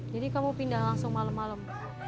jadi kamu pindah langsung malem malem